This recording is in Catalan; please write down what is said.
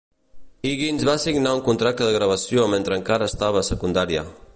Higgins va signar un contracte de gravació mentre encara estava a secundària.